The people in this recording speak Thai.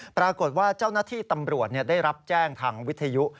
ปรากฏว่าเจ้าหน้าที่ตำรวจได้รับแจ้งทางวิทยุ